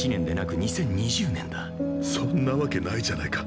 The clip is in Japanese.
そんなわけないじゃないか。